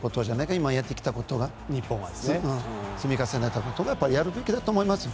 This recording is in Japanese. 今までやってきたこと積み重ねたことをやるべきだと思いますよ。